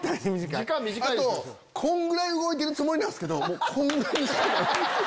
あとこんぐらい動いてるつもりなんすけどこんぐらいしか。